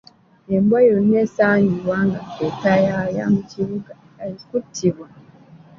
Embwa yonna esangibwa ng'etayaaya mu kibuga ya kuttibwa.